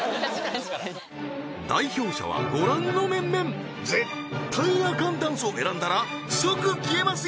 確かに代表者はご覧の面々絶対アカンダンスを選んだら即消えますよ